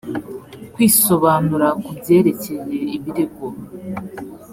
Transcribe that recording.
kwisobanura ku byerekeye ibirego